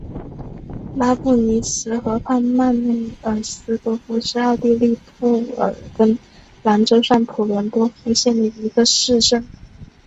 拉布尼茨河畔曼内尔斯多夫是奥地利布尔根兰州上普伦多夫县的一个市镇。